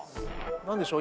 何でしょう